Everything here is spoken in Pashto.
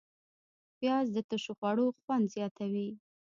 پیاز د تشو خوړو خوند زیاتوي